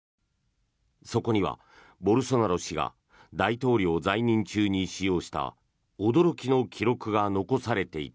そこにはボルソナロ氏が大統領在任中に使用した驚きの記録が残されていた。